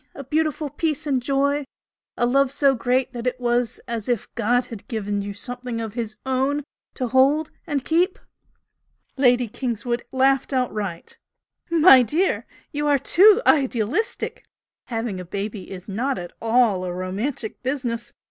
a beautiful peace and joy? a love so great that it was as if God had given you something of His Own to hold and keep?" Lady Kingswood laughed outright. "My dear girl, you are too idealistic! Having a baby is not at all a romantic business!